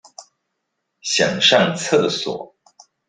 想上廁所